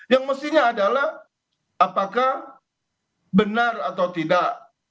yang mestinya adalah apakah benar atau tidak